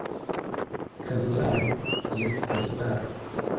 Kazuaro, Jes kazuaro.